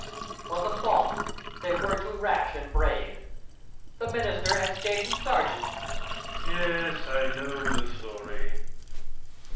'Twas a fault. They were too rash and brave. The minister Had stationed sergeants— THE KING. Yes, I know the story.